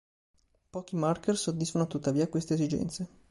Pochi marker soddisfano tuttavia queste esigenze.